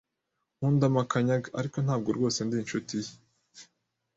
Nkunda Makanyaga, ariko ntabwo rwose ndi inshuti ye.